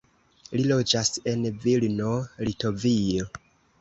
Li loĝas en Vilno, Litovio.